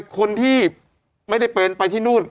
คนที่ไม่ได้เป็นไปที่นู่น